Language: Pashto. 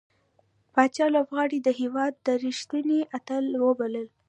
پاچا لوبغاړي د هيواد رښتينې اتلان وبلل .